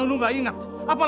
otot lopat makhluk apel